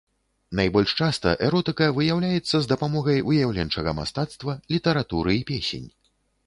Найбольш часта эротыка выяўляецца з дапамогай выяўленчага мастацтва, літаратуры і песень.